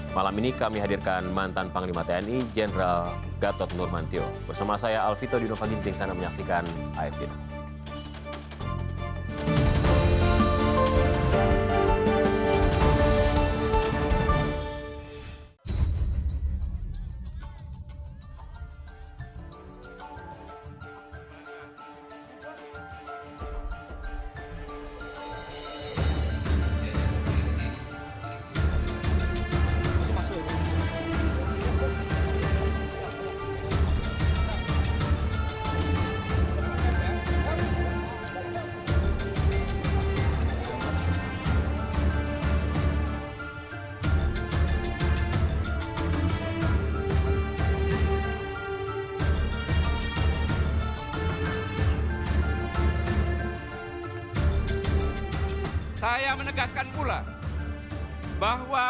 malam ini kami hadirkan mantan panglima tni general gatot nurmantio bersama saya alfito dinopangginting sana menyaksikan afb